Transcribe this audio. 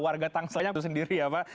warga tangsel yang sendiri ya pak